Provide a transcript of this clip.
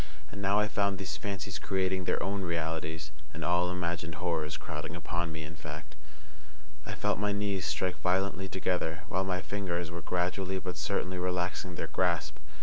And now I found these fancies creating their own realities, and all imagined horrors crowding upon me in fact. I felt my knees strike violently together, while my fingers were gradually but certainly relaxing their grasp.